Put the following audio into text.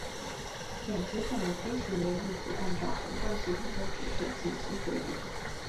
两机上的飞行员立即按照防撞系统的指示紧急回避。